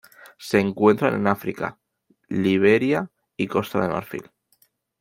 Se encuentran en África: Liberia y Costa de Marfil.